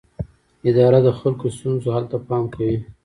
اداره د خلکو د ستونزو حل ته پام کوي.